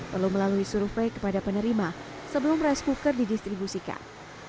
perlu melalui survei kepada penerima sebelum rice cooker didistribusikan